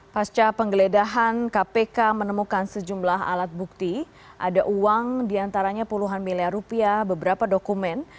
pasca penggeledahan kpk menemukan sejumlah alat bukti ada uang diantaranya puluhan miliar rupiah beberapa dokumen